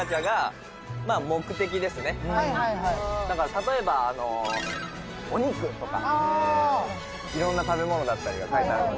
「だから例えば“お肉”とかいろんな食べ物だったりが書いてあるので」